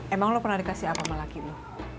emang lo pernah dikasih apa sama laki lu